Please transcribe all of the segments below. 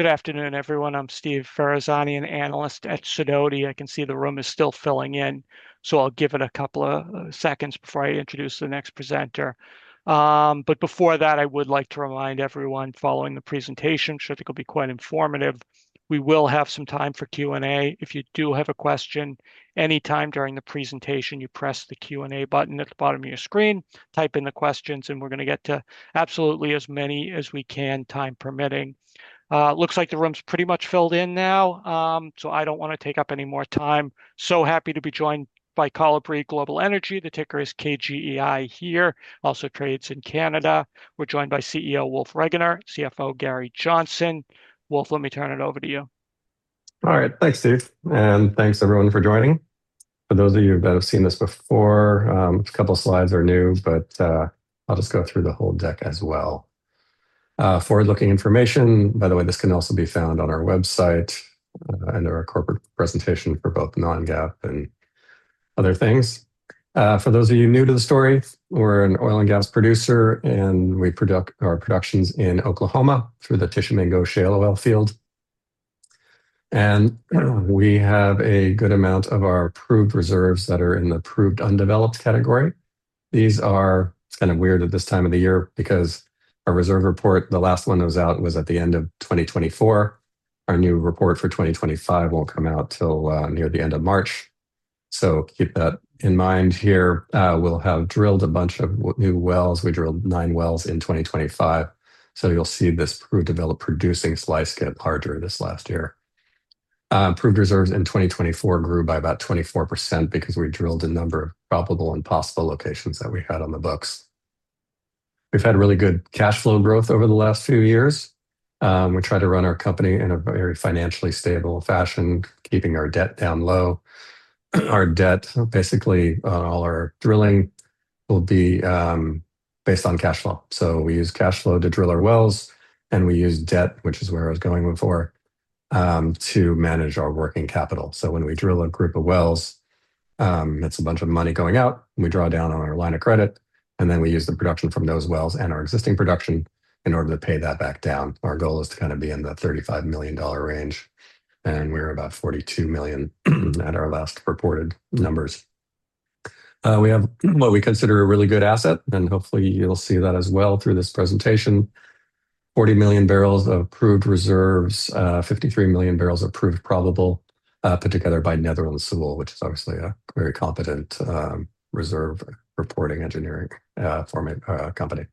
Good afternoon, everyone. I'm Steve Ferazani, an Analyst at Sidoti. I can see the room is still filling in, so I'll give it a couple of seconds before I introduce the next presenter. But before that, I would like to remind everyone following the presentation, should it be quite informative, we will have some time for Q&A. If you do have a question, anytime during the presentation, you press the Q&A button at the bottom of your screen, type in the questions, and we're going to get to absolutely as many as we can, time permitting. Looks like the room's pretty much filled in now, so I don't want to take up any more time. So happy to be joined by Kolibri Global Energy. The ticker is KGEI here, also trades in Canada. We're joined by CEO Wolf Regener, CFO Gary Johnson. Wolf, let me turn it over to you. All right, thanks, Steve, and thanks, everyone, for joining. For those of you that have seen this before, a couple of slides are new, but I'll just go through the whole deck as well. Forward-looking information, by the way, this can also be found on our website and our corporate presentation for both non-GAAP and other things. For those of you new to the story, we're an oil and gas producer, and we produce our productions in Oklahoma through the Tishomingo shale oil field, and we have a good amount of our proved reserves that are in the proved undeveloped category. These are kind of weird at this time of the year because our reserve report, the last one that was out, was at the end of 2024. Our new report for 2025 won't come out till near the end of March. So keep that in mind here. We'll have drilled a bunch of new wells. We drilled nine wells in 2025. So you'll see this proved developed producing slice get larger this last year. Proved reserves in 2024 grew by about 24% because we drilled a number of probable and possible locations that we had on the books. We've had really good cash flow growth over the last few years. We try to run our company in a very financially stable fashion, keeping our debt down low. Our debt, basically all our drilling, will be based on cash flow. So we use cash flow to drill our wells, and we use debt, which is where I was going before, to manage our working capital. So when we drill a group of wells, it's a bunch of money going out. We draw down on our line of credit, and then we use the production from those wells and our existing production in order to pay that back down. Our goal is to kind of be in the $35 million range, and we're about $42 million at our last reported numbers. We have what we consider a really good asset, and hopefully you'll see that as well through this presentation. 40 million barrels of proved reserves, 53 million barrels of proved probable, put together by Netherland, Sewell which is obviously a very competent reserve reporting engineering company.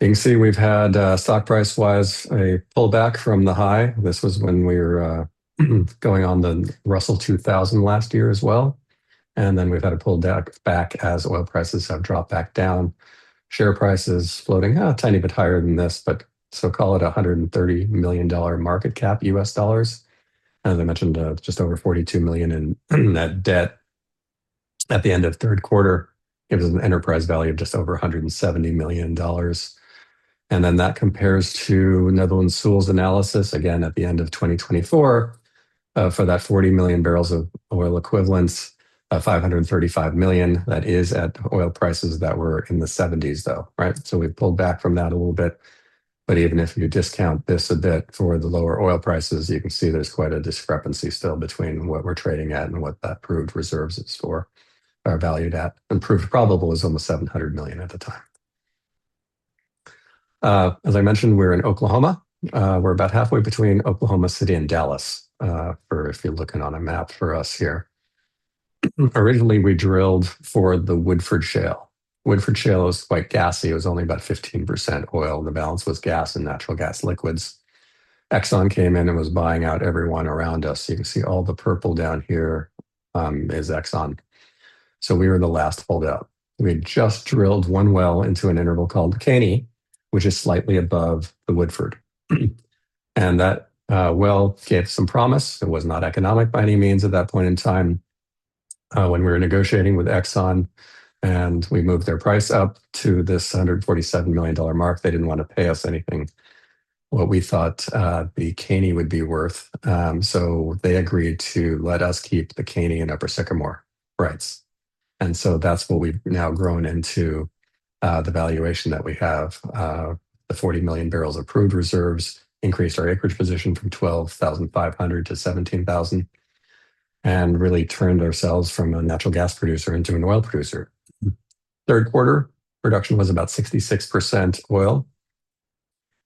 You can see we've had, stock price-wise, a pullback from the high. This was when we were going on the Russell 2000 last year as well, and then we've had a pullback as oil prices have dropped back down. Share prices floating a tiny bit higher than this, but so call it $130 million market cap U.S. dollars. As I mentioned, just over $42 million in that debt at the end of third quarter. It was an enterprise value of just over $170 million. And then that compares to Netherland, Sewell & Associates' analysis, again, at the end of 2024 for that 40 million barrels of oil equivalents, $535 million. That is at oil prices that were in the $70s, though, right? So we've pulled back from that a little bit. But even if you discount this a bit for the lower oil prices, you can see there's quite a discrepancy still between what we're trading at and what that proved reserves is for. Our value at proved and probable is almost $700 million at the time. As I mentioned, we're in Oklahoma. We're about halfway between Oklahoma City and Dallas, so if you're looking on a map for us here. Originally, we drilled for the Woodford Shale. The Woodford Shale was quite gassy. It was only about 15% oil, and the balance was gas and natural gas liquids. Exxon came in and was buying out everyone around us. You can see all the purple down here is Exxon. So we were the last holdout. We had just drilled one well into an interval called McKinney, which is slightly above the Woodford, and that well gave some promise. It was not economic by any means at that point in time. When we were negotiating with Exxon and we moved their price up to this $147 million mark, they didn't want to pay us anything for what we thought the McKinney would be worth. They agreed to let us keep the McKinney and Upper Sycamore rights. And so that's what we've now grown into the valuation that we have. The 40 million barrels of proved reserves increased our acreage position from 12,500-17,000 and really turned ourselves from a natural gas producer into an oil producer. Third quarter production was about 66% oil.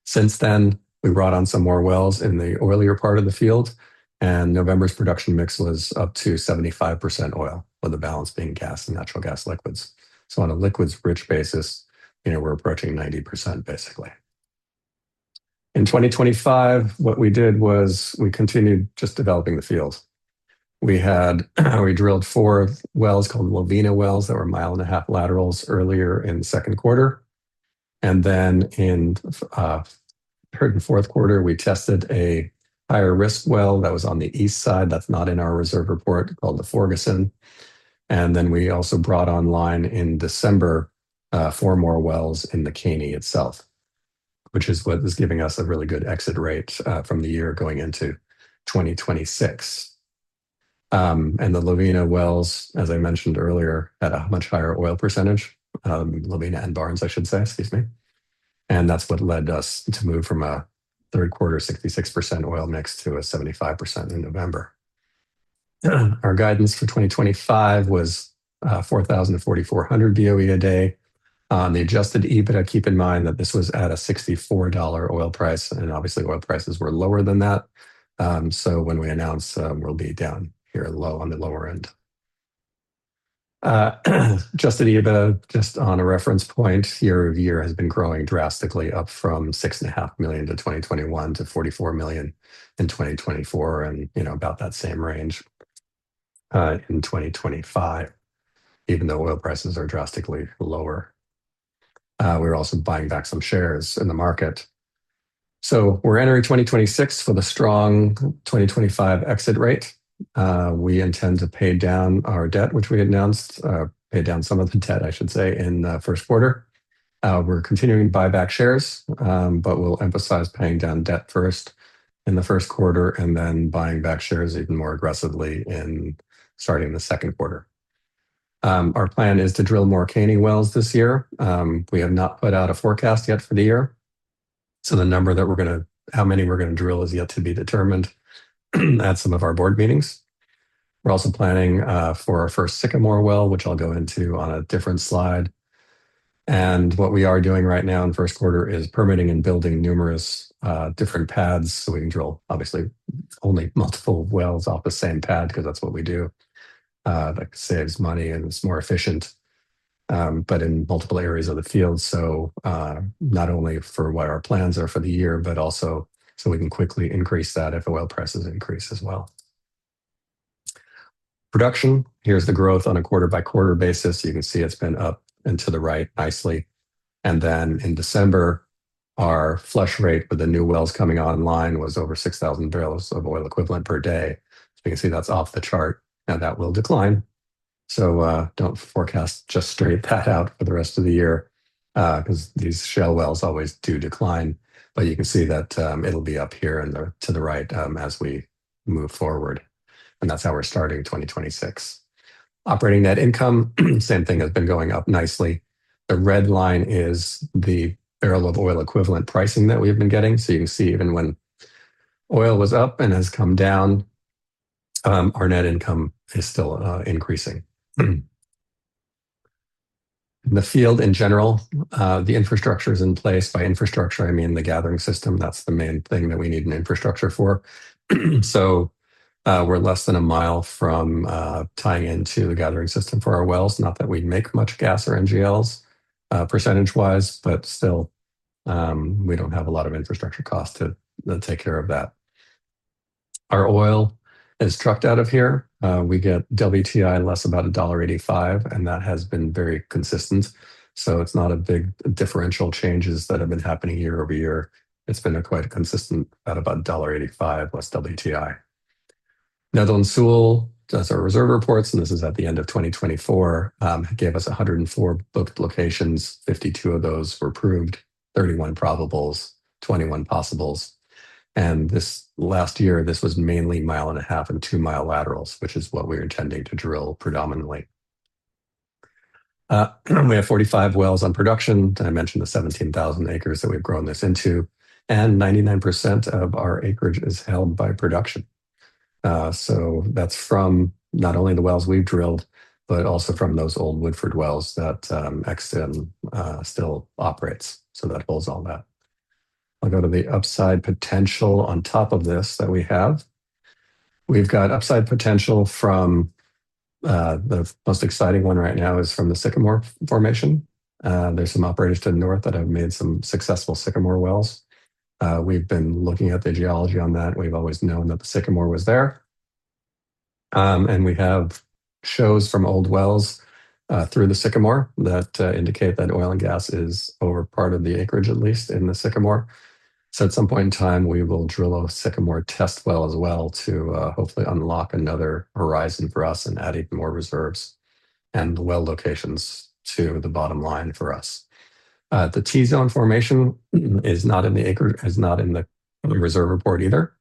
Since then, we brought on some more wells in the oilier part of the field, and November's production mix was up to 75% oil, with the balance being gas and natural gas liquids. So on a liquids-rich basis, we're approaching 90%, basically. In 2025, what we did was we continued just developing the fields. We drilled four wells called Lovina wells that were a mile and a half laterals earlier in the second quarter. In the third and fourth quarter, we tested a higher risk well that was on the east side that's not in our reserve report called the Ferguson. We also brought online in December four more wells in the McKinney itself, which is what is giving us a really good exit rate from the year going into 2026. The Lovina wells, as I mentioned earlier, had a much higher oil percentage, Lovina and Barnes, I should say, excuse me. That's what led us to move from a third quarter 66% oil mix to a 75% in November. Our guidance for 2025 was 4,000-4,400 BOE a day. The Adjusted EBITDA, keep in mind that this was at a $64 oil price, and obviously oil prices were lower than that. When we announce, we'll be down here low on the lower end. Adjusted EBITDA, just on a reference point, year-over-year has been growing drastically up from $6.5 million in 2021 to $44 million in 2024 and about that same range in 2025, even though oil prices are drastically lower. We're also buying back some shares in the market. So we're entering 2026 with a strong 2025 exit rate. We intend to pay down our debt, which we announced, pay down some of the debt, I should say, in the first quarter. We're continuing to buy back shares, but we'll emphasize paying down debt first in the first quarter and then buying back shares even more aggressively in starting the second quarter. Our plan is to drill more McKinney wells this year. We have not put out a forecast yet for the year. So the number that we're going to, how many we're going to drill, is yet to be determined at some of our board meetings. We're also planning for our first Sycamore well, which I'll go into on a different slide. And what we are doing right now in first quarter is permitting and building numerous different pads so we can drill, obviously, only multiple wells off the same pad because that's what we do. That saves money and it's more efficient, but in multiple areas of the field. So not only for what our plans are for the year, but also so we can quickly increase that if oil prices increase as well. Production, here's the growth on a quarter-by-quarter basis. You can see it's been up into the right nicely. And then in December, our flush rate with the new wells coming online was over 6,000 barrels of oil equivalent per day. So you can see that's off the chart and that will decline. So don't forecast just straight that out for the rest of the year because these shale wells always do decline. But you can see that it'll be up here and to the right as we move forward. And that's how we're starting 2026. Operating net income, same thing has been going up nicely. The red line is the barrel of oil equivalent pricing that we've been getting. So you can see even when oil was up and has come down, our net income is still increasing. In the field in general, the infrastructure is in place. By infrastructure, I mean the gathering system. That's the main thing that we need an infrastructure for. We're less than a mile from tying into the gathering system for our wells. Not that we make much gas or NGLs percentage-wise, but still we don't have a lot of infrastructure cost to take care of that. Our oil is trucked out of here. We get WTI less about $1.85, and that has been very consistent. It's not a big differential changes that have been happening year-over-year. It's been quite consistent at about $1.85 less WTI. Netherland, Sewell does our reserve reports, and this is at the end of 2024, gave us 104 booked locations. 52 of those were proved, 31 probables, 21 possibles. This last year, this was mainly mile and a half and two-mile laterals, which is what we're intending to drill predominantly. We have 45 wells on production. I mentioned the 17,000 acres that we've grown this into, and 99% of our acreage is held by production. So that's from not only the wells we've drilled, but also from those old Woodford wells that Exxon still operates. So that holds all that. I'll go to the upside potential on top of this that we have. We've got upside potential from the most exciting one right now is from the Sycamore formation. There's some operators to the north that have made some successful Sycamore wells. We've been looking at the geology on that. We've always known that the Sycamore was there. And we have shows from old wells through the Sycamore that indicate that oil and gas is over part of the acreage, at least in the Sycamore. So at some point in time, we will drill a Sycamore test well as well to hopefully unlock another horizon for us and add even more reserves and well locations to the bottom line for us. The T-zone formation is not in the acreage, is not in the reserve report either.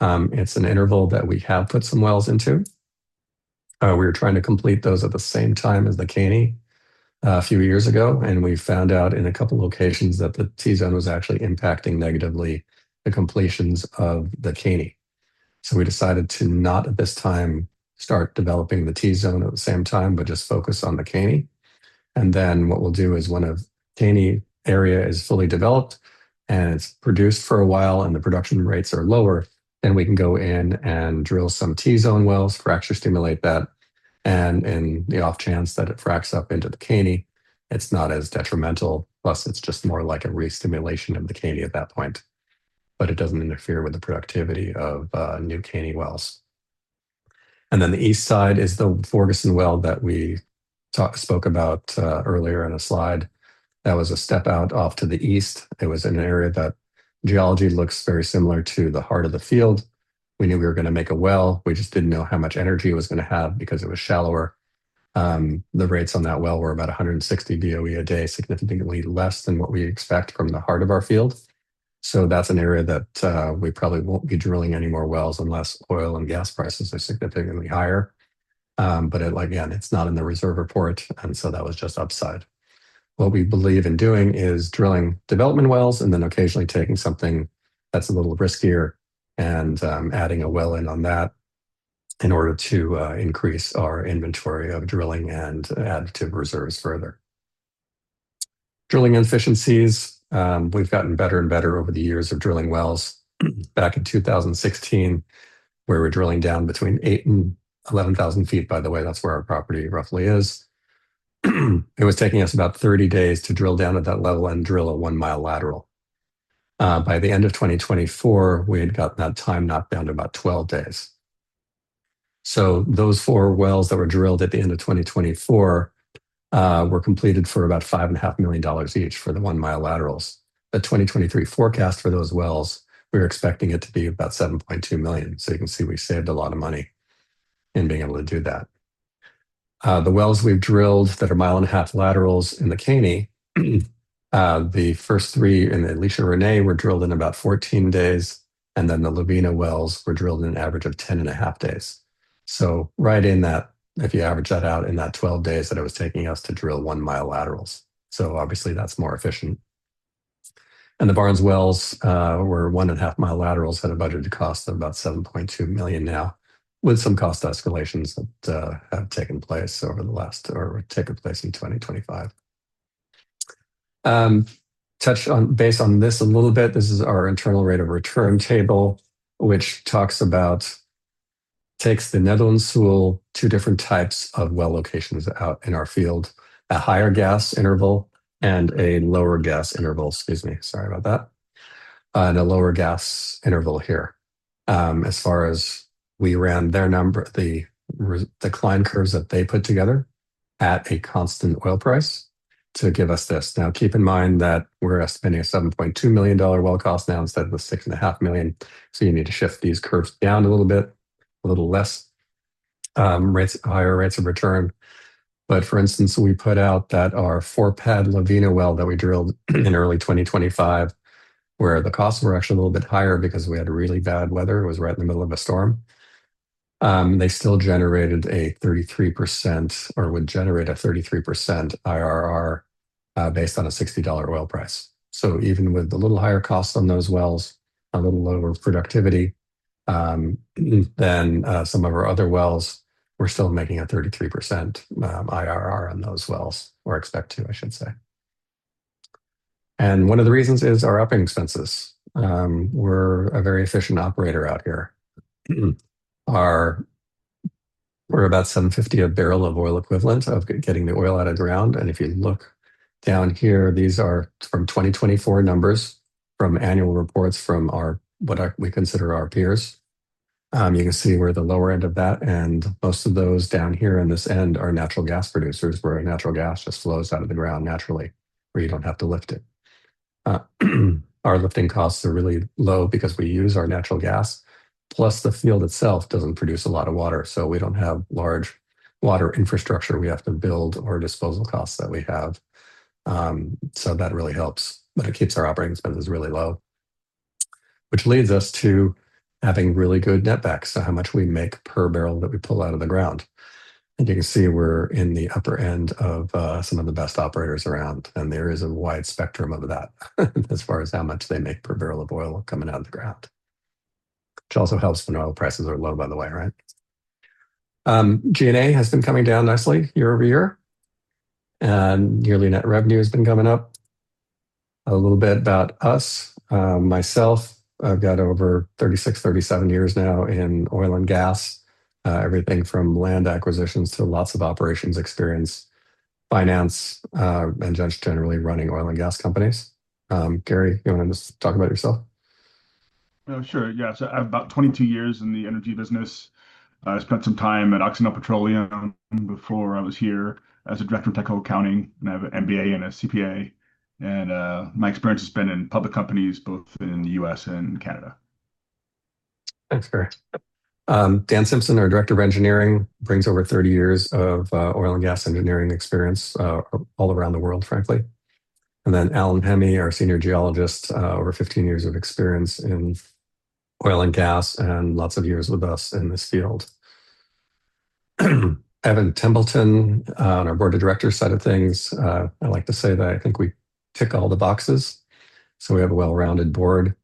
It's an interval that we have put some wells into. We were trying to complete those at the same time as the McKinney a few years ago, and we found out in a couple of locations that the T-zone was actually impacting negatively the completions of the McKinney. So we decided to not at this time start developing the T-zone at the same time, but just focus on the McKinney. What we'll do is when a McKinney area is fully developed and it's produced for a while and the production rates are lower, then we can go in and drill some T-zone wells to extra stimulate that. In the off chance that it fracks up into the McKinney, it's not as detrimental. Plus, it's just more like a restimulation of the McKinney at that point, but it doesn't interfere with the productivity of new McKinney wells. The east side is the Ferguson well that we spoke about earlier in a slide. That was a step out off to the east. It was in an area that the geology looks very similar to the heart of the field. We knew we were going to make a well. We just didn't know how much energy it was going to have because it was shallower. The rates on that well were about 160 BOE a day, significantly less than what we expect from the heart of our field, so that's an area that we probably won't be drilling any more wells unless oil and gas prices are significantly higher. But again, it's not in the reserve report, and so that was just upside. What we believe in doing is drilling development wells and then occasionally taking something that's a little riskier and adding a well in on that in order to increase our inventory of drilling and add to reserves further. Drilling efficiencies, we've gotten better and better over the years of drilling wells. Back in 2016, we were drilling down between eight and 11,000 feet, by the way. That's where our property roughly is. It was taking us about 30 days to drill down at that level and drill a one-mile lateral. By the end of 2024, we had gotten that time knocked down to about 12 days. So those four wells that were drilled at the end of 2024 were completed for about $5.5 million each for the one-mile laterals. The 2023 forecast for those wells, we were expecting it to be about $7.2 million. So you can see we saved a lot of money in being able to do that. The wells we've drilled that are mile and a half laterals in the McKinney, the first three in the Alicia Renee were drilled in about 14 days, and then the Lovina wells were drilled in an average of 10 and a half days. So right in that, if you average that out, in that 12 days that it was taking us to drill one-mile laterals. So obviously that's more efficient. The Barnes wells were one and a half mile laterals at a budgeted cost of about $7.2 million now, with some cost escalations that have taken place over the last or take place in 2025. Touch on based on this a little bit. This is our internal rate of return table, which talks about takes the Netherland, Sewell two different types of well locations out in our field, a higher gas interval and a lower gas interval, excuse me, sorry about that, and a lower gas interval here. As far as we ran their number, the decline curves that they put together at a constant oil price to give us this. Now, keep in mind that we're spending a $7.2 million well cost now instead of the $6.5 million. So you need to shift these curves down a little bit, a little less higher rates of return. But for instance, we put out that our four-pad Lovina well that we drilled in early 2025, where the costs were actually a little bit higher because we had really bad weather. It was right in the middle of a storm. They still generated a 33% or would generate a 33% IRR based on a $60 oil price. So even with a little higher costs on those wells, a little lower productivity than some of our other wells, we're still making a 33% IRR on those wells or expect to, I should say. And one of the reasons is our operating expenses. We're a very efficient operator out here. We're about $7.50 a barrel of oil equivalent of getting the oil out of the ground. And if you look down here, these are from 2024 numbers from annual reports from what we consider our peers. You can see we're the lower end of that. And most of those down here on this end are natural gas producers where natural gas just flows out of the ground naturally where you don't have to lift it. Our lifting costs are really low because we use our natural gas. Plus, the field itself doesn't produce a lot of water, so we don't have large water infrastructure we have to build or disposal costs that we have. So that really helps, but it keeps our operating expenses really low, which leads us to having really good netback. So how much we make per barrel that we pull out of the ground. You can see we're in the upper end of some of the best operators around, and there is a wide spectrum of that as far as how much they make per barrel of oil coming out of the ground, which also helps when oil prices are low, by the way, right? G&A has been coming down nicely year-over-year, and yearly net revenue has been coming up. A little bit about us, myself, I've got over 36, 37 years now in oil and gas, everything from land acquisitions to lots of operations experience, finance, and just generally running oil and gas companies. Gary, you want to just talk about yourself? Sure. Yeah. So I have about 22 years in the energy business. I spent some time at Occidental Petroleum before I was here as a director of technical accounting. I have an MBA and a CPA. My experience has been in public companies, both in the U.S. and Canada. Thanks, Gary. Dan Simpson, our Director of Engineering, brings over 30 years of oil and gas engineering experience all around the world, frankly. Then Allan Hemeon, our Senior Geologist, over 15 years of experience in oil and gas and lots of years with us in this field. Evan Templeton, on our board of directors side of things, I like to say that I think we tick all the boxes. We have a well-rounded board.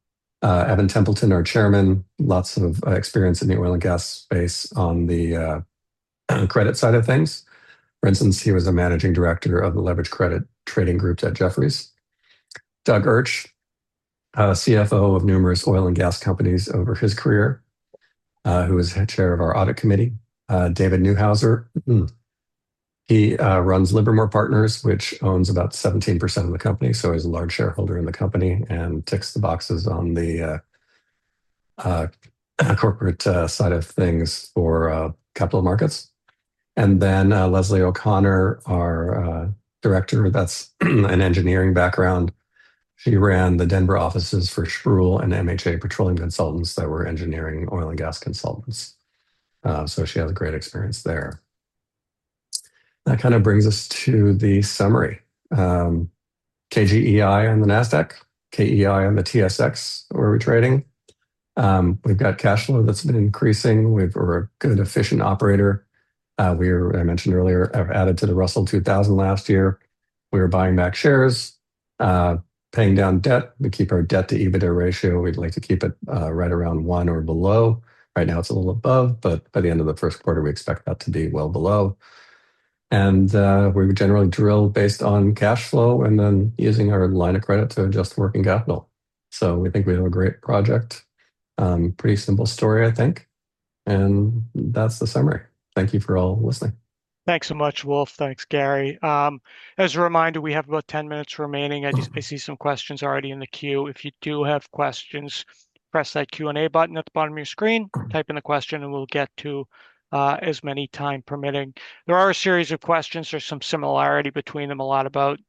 Evan Templeton, our Chairman, lots of experience in the oil and gas space on the credit side of things. For instance, he was a managing director of the Leverage Credit Trading Groups at Jefferies. Doug Urch, CFO of numerous oil and gas companies over his career, who is Chair of our Audit Committee. David Neuhauser. He runs Livermore Partners, which owns about 17% of the company. So he's a large shareholder in the company and ticks the boxes on the corporate side of things for capital markets. And then Leslie O'Connor, our director, that's an engineering background. She ran the Denver offices for Sproule and MHA Petroleum Consultants that were engineering oil and gas consultants. So she has a great experience there. That kind of brings us to the summary. KGEI on the Nasdaq, KEI on the TSX, where we're trading. We've got cash flow that's been increasing. We're a good, efficient operator. We are, I mentioned earlier, added to the Russell 2000 last year. We were buying back shares, paying down debt. We keep our debt-to-EBITDA ratio. We'd like to keep it right around one or below. Right now it's a little above, but by the end of the first quarter, we expect that to be well below. And we would generally drill based on cash flow and then using our line of credit to adjust working capital. So we think we have a great project. Pretty simple story, I think. And that's the summary. Thank you for all listening. Thanks so much, Wolf. Thanks, Gary. As a reminder, we have about 10 minutes remaining. I see some questions already in the queue. If you do have questions, press that Q&A button at the bottom of your screen, type in the question, and we'll get to as many time permitting. There are a series of questions. There's some similarity between them, a lot about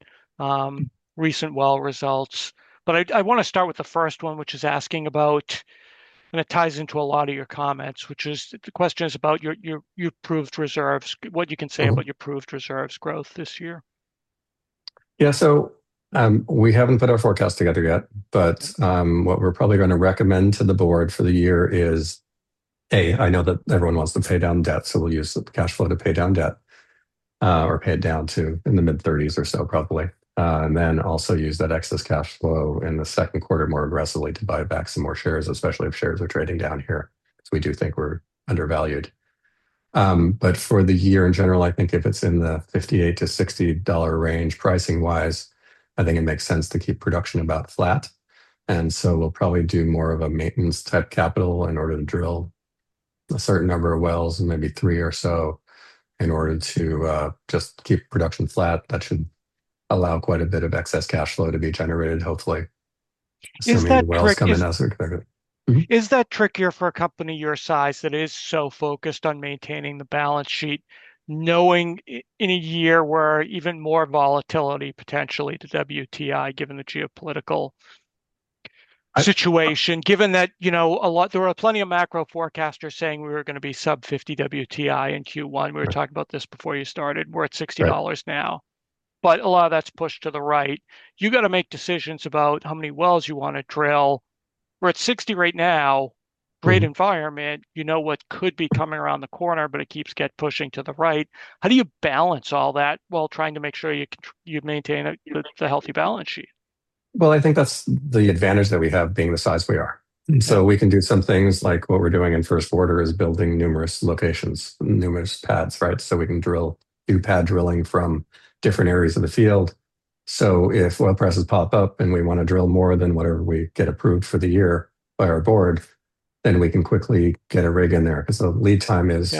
recent well results. But I want to start with the first one, which is asking about, and it ties into a lot of your comments, which is the question is about your proved reserves, what you can say about your proved reserves growth this year. Yeah. So we haven't put our forecast together yet, but what we're probably going to recommend to the board for the year is, a, I know that everyone wants to pay down debt, so we'll use the cash flow to pay down debt or pay it down to in the mid-30s or so, probably. And then also use that excess cash flow in the second quarter more aggressively to buy back some more shares, especially if shares are trading down here. So we do think we're undervalued. But for the year in general, I think if it's in the $58-$60 range pricing-wise, I think it makes sense to keep production about flat. And so we'll probably do more of a maintenance type capital in order to drill a certain number of wells and maybe three or so in order to just keep production flat. That should allow quite a bit of excess cash flow to be generated, hopefully. Is that tricky? Is that trickier for a company your size that is so focused on maintaining the balance sheet, knowing in a year where even more volatility potentially to WTI, given the geopolitical situation, given that there were plenty of macro forecasters saying we were going to be sub-50 WTI in Q1. We were talking about this before you started. We're at $60 now, but a lot of that's pushed to the right. You got to make decisions about how many wells you want to drill. We're at $60 right now, great environment. You know what could be coming around the corner, but it keeps getting pushing to the right. How do you balance all that while trying to make sure you maintain a healthy balance sheet? Well, I think that's the advantage that we have being the size we are. So we can do some things like what we're doing in first quarter is building numerous locations, numerous pads, right? So we can drill, do pad drilling from different areas of the field. So if oil prices pop up and we want to drill more than whatever we get approved for the year by our board, then we can quickly get a rig in there because the lead time is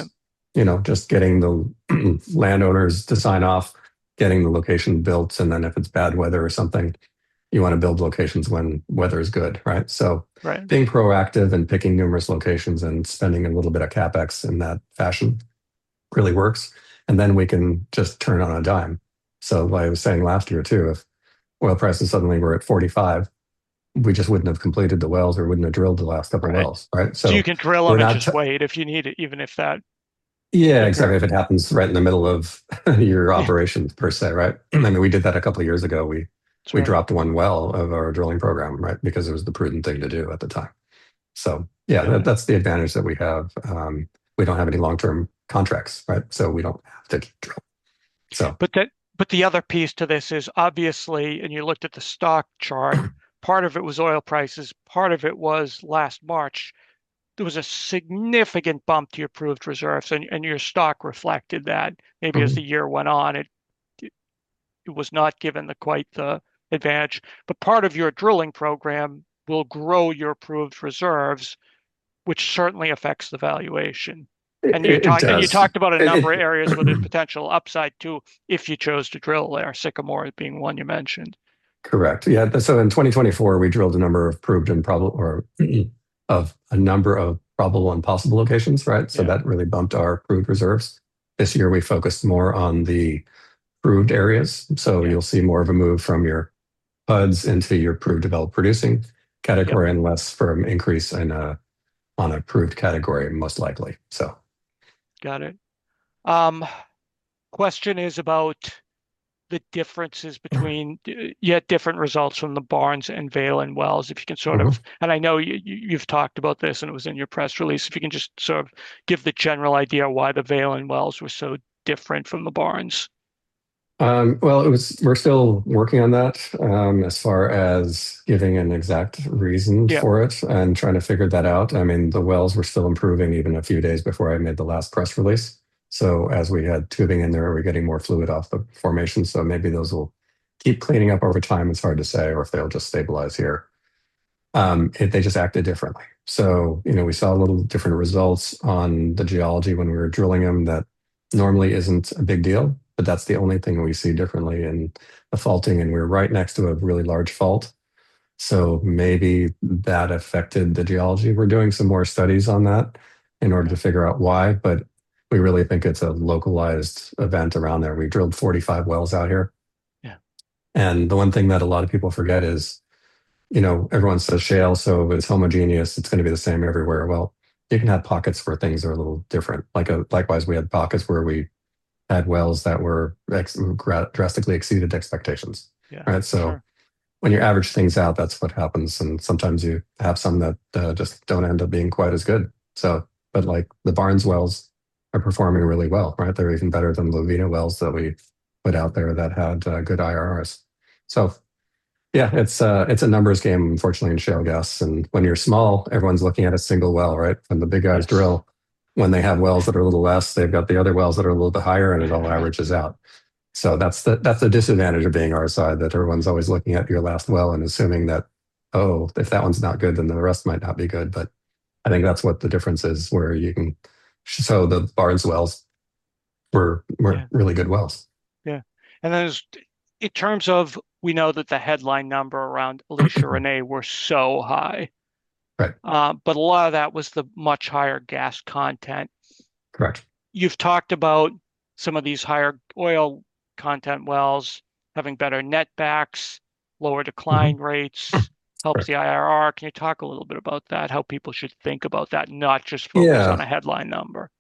just getting the landowners to sign off, getting the location built. And then if it's bad weather or something, you want to build locations when weather is good, right? So being proactive and picking numerous locations and spending a little bit of CapEx in that fashion really works. And then we can just turn on a dime. So what I was saying last year too, if oil prices suddenly were at $45, we just wouldn't have completed the wells or wouldn't have drilled the last couple of wells, right? So you can drill and just wait if you need it, even if that. Yeah, exactly. If it happens right in the middle of your operations per se, right? I mean, we did that a couple of years ago. We dropped one well of our drilling program, right? Because it was the prudent thing to do at the time. So yeah, that's the advantage that we have. We don't have any long-term contracts, right? So we don't have to keep drilling. But the other piece to this is obviously, and you looked at the stock chart. Part of it was oil prices, part of it was last March. There was a significant bump to your proved reserves, and your stock reflected that. Maybe as the year went on, it was not given quite the advantage. But part of your drilling program will grow your proved reserves, which certainly affects the valuation. And you talked about a number of areas where there's potential upside too if you chose to drill there, Sycamore being one you mentioned. Correct. Yeah. So in 2024, we drilled a number of proved and probable, or a number of probable and possible locations, right? So that really bumped our proved reserves. This year, we focused more on the proved areas. You'll see more of a move from your PUDs into your proved developed producing category and less firm increase on a proved category, most likely. Got it. The question is about the differences between the different results from the Barnes and Velin wells, if you can sort of. And I know you've talked about this and it was in your press release. If you can just sort of give the general idea of why the Velin wells were so different from the Barnes. We're still working on that as far as giving an exact reason for it and trying to figure that out. I mean, the wells were still improving even a few days before I made the last press release. As we had tubing in there, we're getting more fluid off the formation. Maybe those will keep cleaning up over time. It's hard to say, or if they'll just stabilize here. They just acted differently. So we saw a little different results on the geology when we were drilling them that normally isn't a big deal, but that's the only thing we see differently in the faulting, and we're right next to a really large fault, so maybe that affected the geology. We're doing some more studies on that in order to figure out why, but we really think it's a localized event around there. We drilled 45 wells out here, and the one thing that a lot of people forget is everyone says shale, so it's homogeneous. It's going to be the same everywhere. Well, you can have pockets where things are a little different. Likewise, we had pockets where we had wells that were drastically exceeded expectations, so when you average things out, that's what happens. Sometimes you have some that just don't end up being quite as good. The Barnes wells are performing really well, right? They're even better than the Lovina wells that we put out there that had good IRRs. Yeah, it's a numbers game, unfortunately, in shale gas. When you're small, everyone's looking at a single well, right? When the big guys drill, when they have wells that are a little less, they've got the other wells that are a little bit higher and it all averages out. That's the disadvantage of being our size that everyone's always looking at your last well and assuming that, oh, if that one's not good, then the rest might not be good. I think that's what the difference is where you can. The Barnes wells were really good wells. Yeah. And then in terms of, we know that the headline number around Alicia Renee were so high. But a lot of that was the much higher gas content. Correct. You've talked about some of these higher oil content wells having better netbacks, lower decline rates, helps the IRR. Can you talk a little bit about that, how people should think about that, not just focus on a headline number?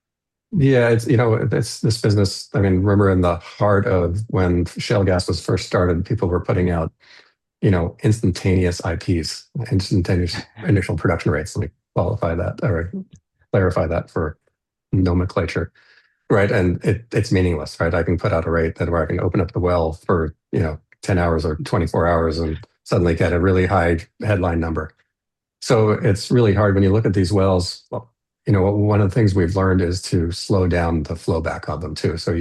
Yeah. This business, I mean, remember in the heart of when shale gas was first started, people were putting out instantaneous IPs, instantaneous initial production rates. Let me qualify that or clarify that for nomenclature, right? And it's meaningless, right? I can put out a rate that where I can open up the well for 10 hours or 24 hours and suddenly get a really high headline number. So it's really hard when you look at these wells. One of the things we've learned is to slow down the flow back on them too. So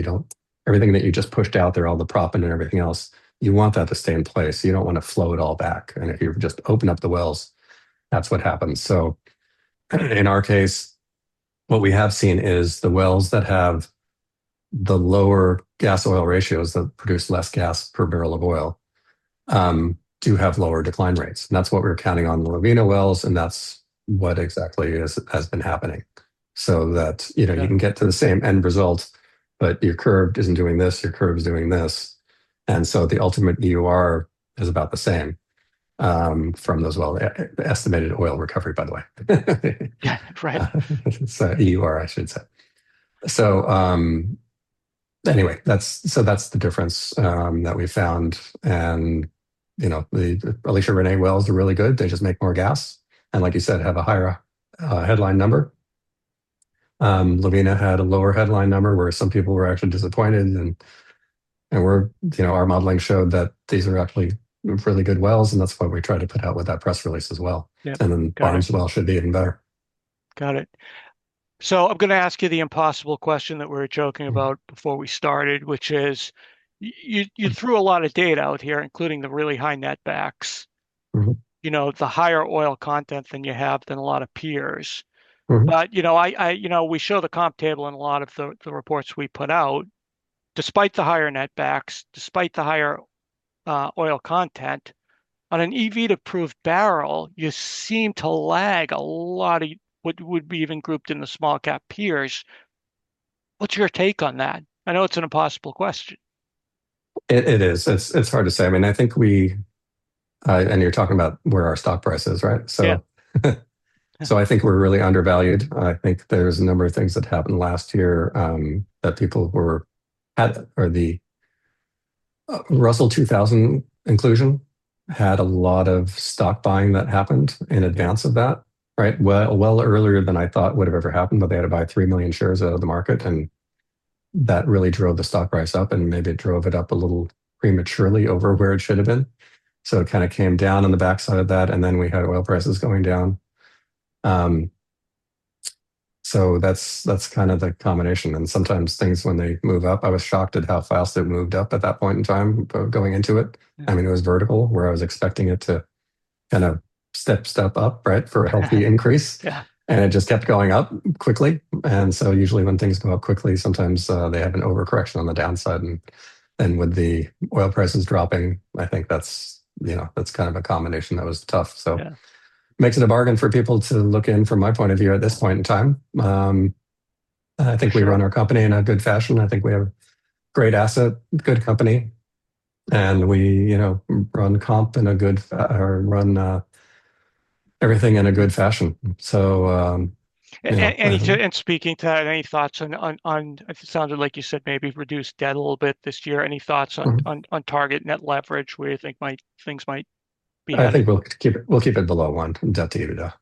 everything that you just pushed out there, all the prop and everything else, you want that to stay in place. You don't want to flow it all back. And if you just open up the wells, that's what happens. So in our case, what we have seen is the wells that have the lower gas oil ratios that produce less gas per barrel of oil do have lower decline rates. And that's what we're counting on the Lovina wells, and that's what exactly has been happening. So that you can get to the same end result, but your curve isn't doing this, your curve is doing this. And so the ultimate EUR is about the same from those wells' estimated oil recovery, by the way. Yeah, right. So EUR, I should say. So anyway, so that's the difference that we found. And Alicia Renee wells are really good. They just make more gas. And like you said, have a higher headline number. Lovina had a lower headline number where some people were actually disappointed. And our modeling showed that these are actually really good wells. And that's what we tried to put out with that press release as well. And then Barnes well should be even better. Got it. So I'm going to ask you the impossible question that we were joking about before we started, which is you threw a lot of data out here, including the really high netbacks, the higher oil content than you have a lot of peers. But we show the comp table in a lot of the reports we put out. Despite the higher net backs, despite the higher oil content, on an EV to proved barrel, you seem to lag a lot of what would be even grouped in the small cap peers. What's your take on that? I know it's an impossible question. It is. It's hard to say. I mean, I think we and you're talking about where our stock price is, right? So I think we're really undervalued. I think there's a number of things that happened last year that people were at or the Russell 2000 inclusion had a lot of stock buying that happened in advance of that, right? Well, earlier than I thought would have ever happened, but they had to buy 3 million shares out of the market. And that really drove the stock price up, and maybe it drove it up a little prematurely over where it should have been. It kind of came down on the backside of that, and then we had oil prices going down. That's kind of the combination. Sometimes things when they move up, I was shocked at how fast it moved up at that point in time going into it. I mean, it was vertical where I was expecting it to kind of step up, right, for a healthy increase. It just kept going up quickly. Usually when things go up quickly, sometimes they have an overcorrection on the downside. Then with the oil prices dropping, I think that's kind of a combination that was tough. It makes it a bargain for people to look in from my point of view at this point in time. I think we run our company in a good fashion. I think we have great asset, good company. And we run comps in a good order and run everything in a good fashion. So anything and speaking to that, any thoughts on it sounded like you said maybe reduced debt a little bit this year. Any thoughts on target net leverage where you think things might be? I think we'll keep it below one. I'm comfortable with that.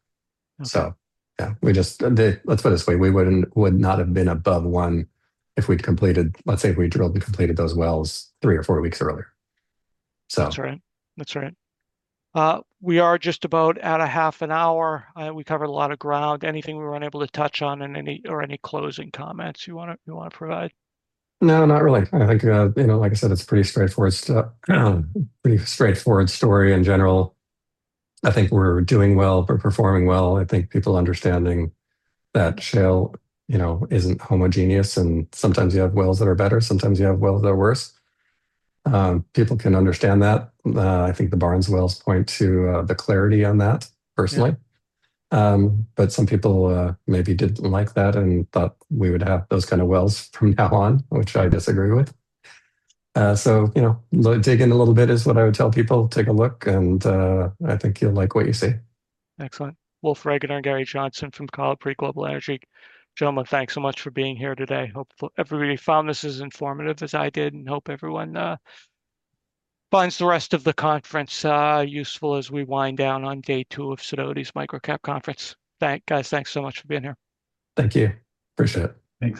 So yeah, let's put it this way. We would not have been above one if we'd completed, let's say if we drilled and completed those wells three or four weeks earlier. So that's right. That's right. We are just about at a half an hour. We covered a lot of ground. Anything we weren't able to touch on or any closing comments you want to provide? No, not really. I think, like I said, it's a pretty straightforward story in general. I think we're doing well. We're performing well. I think people understanding that shale isn't homogeneous. And sometimes you have wells that are better. Sometimes you have wells that are worse. People can understand that. I think the Barnes wells point to the clarity on that personally. But some people maybe didn't like that and thought we would have those kind of wells from now on, which I disagree with. So dig in a little bit is what I would tell people. Take a look, and I think you'll like what you see. Excellent. Wolf Regener, Gary Johnson from Kolibri Global Energy. Gentlemen, thanks so much for being here today. Hope everybody found this as informative as I did and hope everyone finds the rest of the conference useful as we wind down on day two of Sidoti's Micro Cap Conference. Thanks, guys. Thanks so much for being here. Thank you. Appreciate it. Thanks.